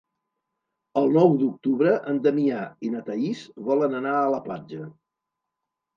El nou d'octubre en Damià i na Thaís volen anar a la platja.